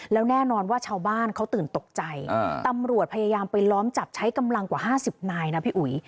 แล้วแน่นอนว่าชาวบ้านเขาตื่นตกใจตำรวจพยายามไปล้อมจับใช้กำลังกว่า๕๐นายนะพี่อุ๋ย